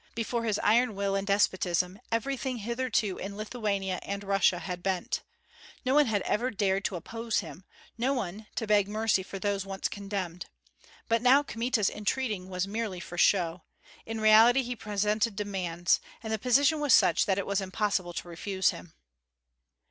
Before his iron will and despotism everything hitherto in Lithuania and Russia had bent. No one had ever dared to oppose him, no one to beg mercy for those once condemned; but now Kmita's entreating was merely for show, in reality he presented demands; and the position was such that it was impossible to refuse him.